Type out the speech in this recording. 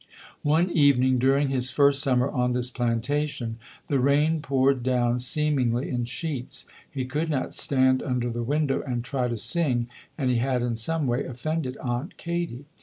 One evening during his first summer on this plantation the rain poured down seemingly in sheets. He could not stand under the window and try to sing and he had in some way offended Aunt Katie.